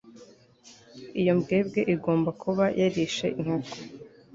iyo mbwebwe igomba kuba yarishe inkoko